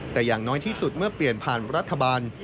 แต่อย่างน้อยที่สุดเมื่อเปลี่ยนผ่านรัฐบาล